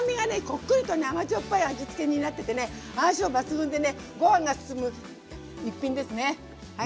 こっくりとね甘じょっぱい味付けになっててね相性抜群でねご飯がすすむ１品ですねはい。